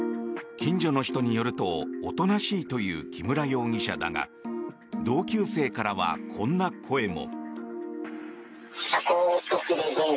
近所の人によるとおとなしいという木村容疑者だが同級生からはこんな声も。